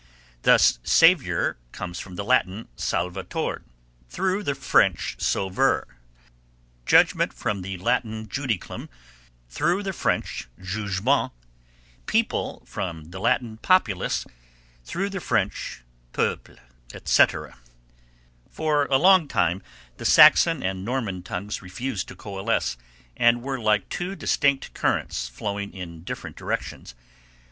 Thus Saviour comes from the Latin Salvator through the French Sauveur; judgment from the Latin judiclum through the French jugement; people, from the Latin populus, through the French peuple, etc. For a long time the Saxon and Norman tongues refused to coalesce and were like two distinct currents flowing in different directions.